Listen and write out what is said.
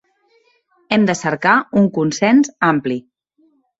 Hem de cercar un consens ampli.